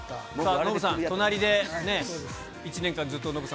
ノブさん、隣で、１年間、ずっとノブさん